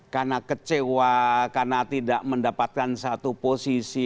karena kecewa karena tidak mendapatkan satu posisi